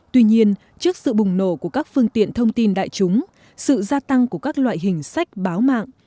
tuy nhiên trước sự bùng nổ của các phương tiện thông tin đại chúng sự gia tăng của các loại hình sách báo mạng